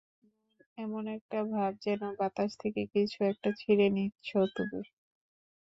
এমন একটা ভাব যেন বাতাস থেকে কিছু একটা ছিঁড়ে নিচ্ছ তুমি।